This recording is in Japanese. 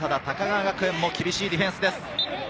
高川学園も厳しいディフェンスです。